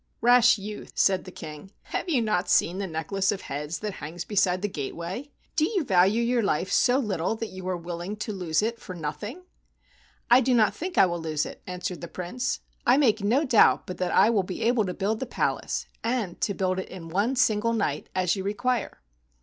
"Rash youth," said the King, "have you not seen the necklace of heads that hangs beside the gateway ? Do you value your life 37 THE WONDERFUL RING so little that you are willing to lose it for noth "I do not think I will lose it," answered the Prince. "I make no doubt but that I will be able to build the palace, and to build it in one single night as you require."